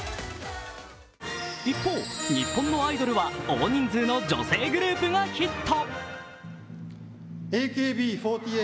一方、日本のアイドルは大人数の女性グループがヒット。